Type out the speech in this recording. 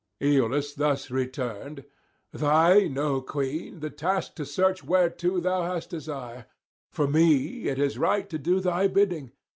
Aeolus thus returned: 'Thine, O queen, the task to search whereto thou hast desire; for me it is right to do thy bidding.